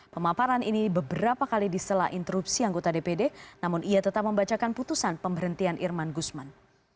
pemaparan ini beberapa kali disela interupsi anggota dpd namun ia tetap membacakan putusan pemberhentian irman gusman